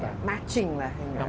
jadi itu matching lah